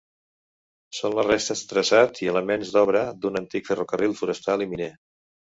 Són les restes de traçat i elements d'obra d'un antic ferrocarril forestal i miner.